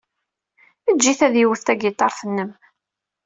Eǧǧ-it ad iwet tagiṭart-nnem.